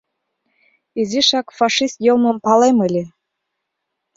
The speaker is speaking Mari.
Изишак фашист йылмым палем ыле.